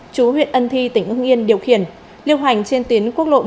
chú huyện ân thi tỉnh ưng yên điều khiển liêu hành trên tiến quốc lộ một